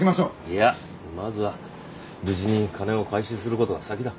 いやまずは無事に金を回収する事が先だ。